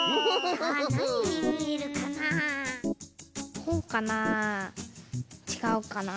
こうかなあちがうかなあ。